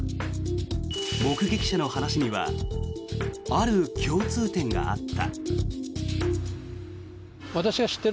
目撃者の話にはある共通点があった。